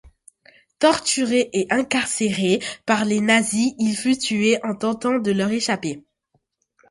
Torturé et incarcéré par les nazis, il fut tué en tentant de leur échapper.